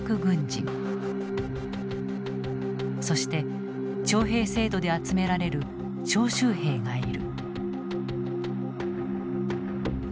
そして徴兵制度で集められる徴集兵がいる。